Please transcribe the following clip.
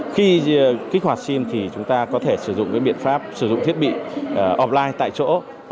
khi kích hoạt sim thì chúng ta có thể sử dụng biện pháp sử dụng thiết bị offline tại chỗ